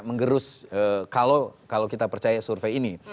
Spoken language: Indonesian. mengerus kalau kita percaya survei ini